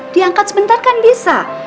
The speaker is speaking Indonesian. diangkat sebentar kan bisa